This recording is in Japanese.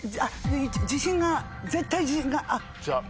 自信が絶対自信が。